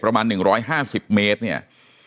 ประมาณ๑๕๐เมตรเนี่ย